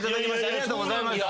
ありがとうございます。